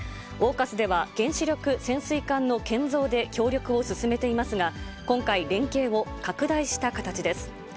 オーカスでは、原子力潜水艦の建造で協力を進めていますが、今回、連携を拡大した形です。